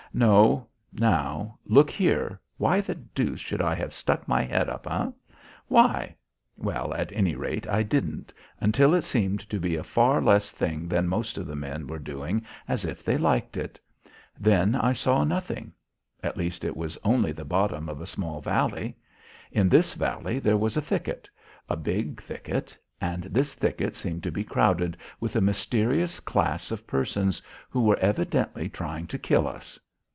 No, now, look here, why the deuce should I have stuck my head up, eh? Why? Well, at any rate, I didn't until it seemed to be a far less thing than most of the men were doing as if they liked it. Then I saw nothing. At least it was only the bottom of a small valley. In this valley there was a thicket a big thicket and this thicket seemed to be crowded with a mysterious class of persons who were evidently trying to kill us.